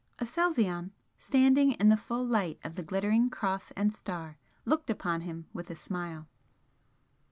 Aselzion, standing in the full light of the glittering Cross and Star, looked upon him with a smile.